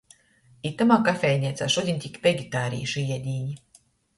Itamā kafejneicā šudiņ tik vegetarīšu iedīni.